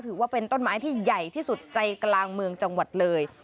ถือว่าเป็นต้นไม้ที่ใหญ่ที่สุดใจกลางเมืองจังหวัดเลย